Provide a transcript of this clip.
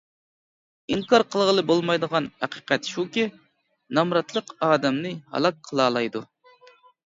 ئىنكار قىلغىلى بولمايدىغان ھەقىقەت شۇكى، نامراتلىق ئادەمنى ھالاك قىلالايدۇ.